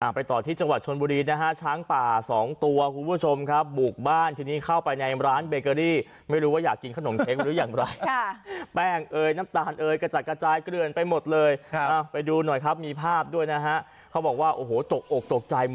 อ่าไปต่อที่จังหวัดชนะบุรีนนะฮะช้าน้ำป่าสองตัวคุณผู้ชม